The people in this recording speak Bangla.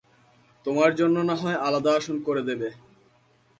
তোমার জন্যে নাহয় আলাদা আসন করে দেবে।